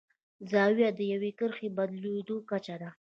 زاویه د یوې کرښې د بدلیدو کچه ده.